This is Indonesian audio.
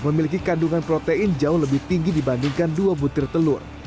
memiliki kandungan protein jauh lebih tinggi dibandingkan dua butir telur